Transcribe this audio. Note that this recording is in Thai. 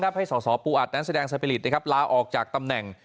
ให้สอสอปูอัดและแสดงสะเปรียดลาออกจากตำแหน่ง